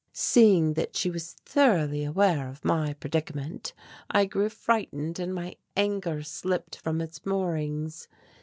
Seeing that she was thoroughly aware of my predicament, I grew frightened and my anger slipped from its moorings.